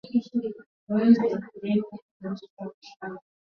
Hakuna dalili zinazodhihirika baada ya mnyama kufa kutokana na ugonjwa huu